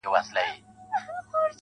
گلي نن بيا راته راياده سولې.